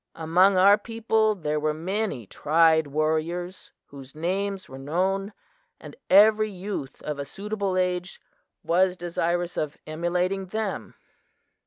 "Among our people there were many tried warriors whose names were known, and every youth of a suitable age was desirous of emulating them.